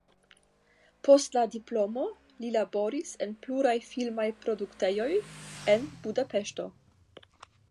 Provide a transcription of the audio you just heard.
Post la diplomo li laboris en pluraj filmaj produktejoj en Budapeŝto.